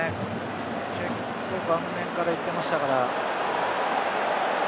結構顔面から行ってましたから。